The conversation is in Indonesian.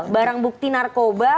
barang bukti narkoba